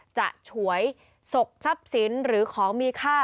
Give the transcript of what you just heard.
ฉวยสกทรัพย์สินหรือของมีค่า